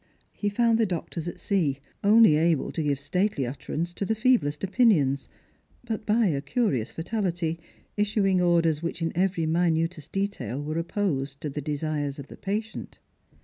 He found the doctors at sea, only able to give stately utterance to the feeblest opinions, but by a curious fatality issuing orders which in every minutest detail were opposed to the desires of the patient.